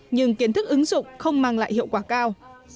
nhưng kiến thức ứng dụng không mang lại hiệu quả cao